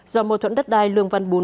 do mô thuẫn đất đai lương văn bún